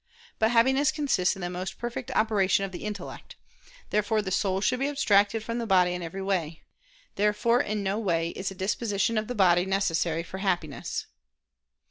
But Happiness consists in the most perfect operation of the intellect. Therefore the soul should be abstracted from the body in every way. Therefore, in no way is a disposition of the body necessary for Happiness.